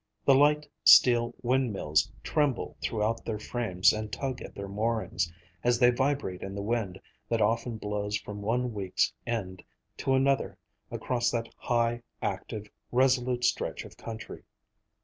The light steel windmills tremble throughout their frames and tug at their moorings, as they vibrate in the wind that often blows from one week's end to another across that high, active, resolute stretch of country.